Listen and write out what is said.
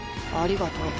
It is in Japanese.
ありがと。